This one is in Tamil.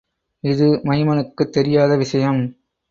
இது மைமனுக்குத் தெரியாத விஷயம்!